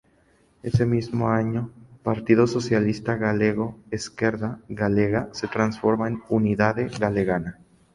Ese mismo año Partido Socialista Galego-Esquerda Galega se transforma en Unidade Galega.